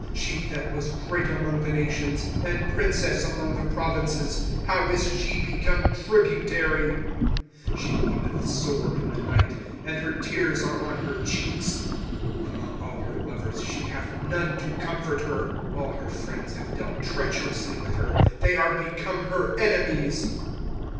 she that was great among the nations, and princess among the provinces, how is she become tributary! 25:001:002 She weepeth sore in the night, and her tears are on her cheeks: among all her lovers she hath none to comfort her: all her friends have dealt treacherously with her, they are become her enemies.